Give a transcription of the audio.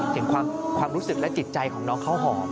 ถึงความรู้สึกและจิตใจของน้องข้าวหอม